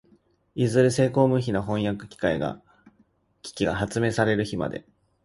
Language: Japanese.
いずれ精巧無比な飜訳機械が発明される日まで、